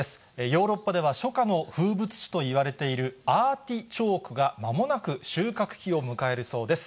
ヨーロッパでは初夏の風物詩といわれているアーティチョークが、まもなく収穫期を迎えるそうです。